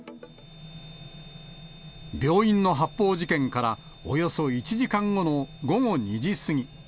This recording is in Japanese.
病院の発砲事件からおよそ１時間後の午後２時過ぎ。